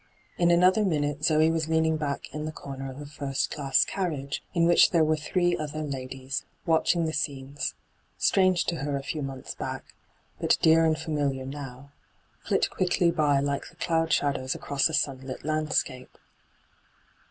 In another minute Zoe was leaning back in the comer of a first class carriage, in which there were three other ladies, watching the scenes — strange to her a few months back, but dear and femiUar now — flit quickly by like the cloud shadows across a sunlit land scape.